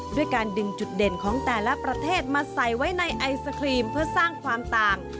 ด้วยการดึงจุดเด่นของแต่ละประเทศมาใส่ไว้ในไอศครีมเพื่อสร้างความต่าง